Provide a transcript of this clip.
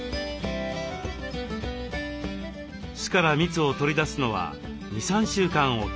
巣から蜜を取り出すのは２３週間おき。